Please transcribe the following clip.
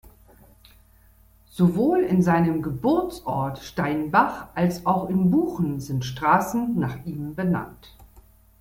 Sowohl in seinem Geburtsort Steinbach als auch in Buchen sind Straßen nach ihm benannt.